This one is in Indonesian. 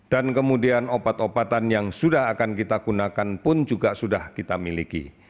dan kemudian obat obatan yang sudah akan kita gunakan pun juga sudah kita miliki